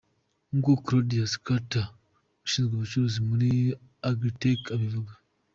Nk’uko Claudius Kurtna ushinzwe ubucuruzi muri Agritech abivuga.